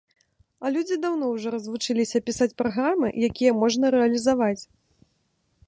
А людзі даўно ўжо развучыліся пісаць праграмы, якія можна рэалізаваць.